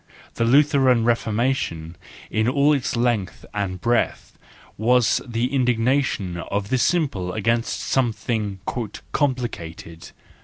The Lutheran Reformation in all its length and breadth was the indignation of the simple against something " complicated.